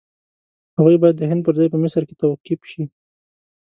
هغوی باید د هند پر ځای په مصر کې توقیف شي.